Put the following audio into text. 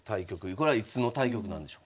これはいつの対局なんでしょうか。